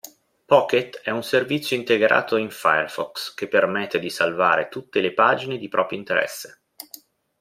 Pocket è un servizio integrato in Firefox che permette di salvare tutte le pagine di proprio interesse.